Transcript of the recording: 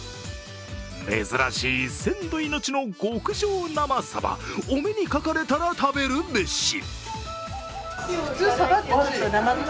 珍しい鮮度命の極上生サバ、お目にかかれたら食べるべし。